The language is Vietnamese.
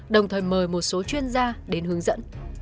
đồng thời mời một số chuyên gia đến hướng dẫn